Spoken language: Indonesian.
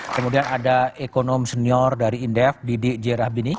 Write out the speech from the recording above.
kemudian ada ekonom senior dari indef didi jerahbini